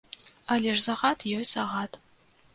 Але ж загад ёсць загад.